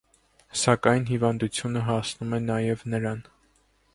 Սակայն հիվանդությունը հասնում է նաև նրան։